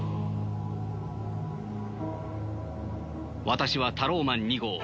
私はタローマン２号。